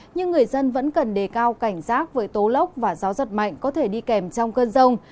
nhưng người dân vẫn cần đề cao cảnh giác với tố lốc và gió giật mạnh có thể đi kèm trong cơn rông